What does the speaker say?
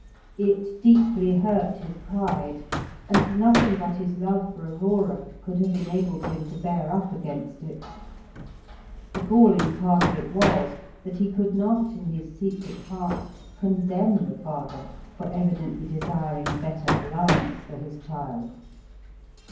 It deeply hurt his pride, and nothing but his love for Aurora could have enabled him to bear up against it. The galling part of it was that he could not in his secret heart condemn the father for evidently desiring a better alliance for his child.